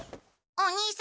お兄様！